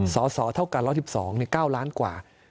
สอเท่ากัน๑๑๒เนี่ย๙ล้านกว่า